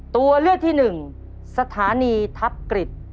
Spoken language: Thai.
ตัวเลือกที่หนึ่งสถานีทัพกฤษ